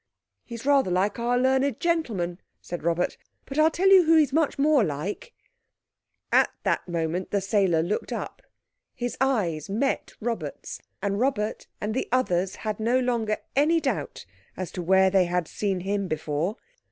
"He's rather like our learned gentleman," said Robert, "but I'll tell you who he's much more like—" At this moment that sailor looked up. His eyes met Robert's—and Robert and the others had no longer any doubt as to where they had seen him before.